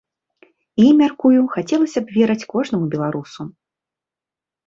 І, мяркую, хацелася б верыць кожнаму беларусу.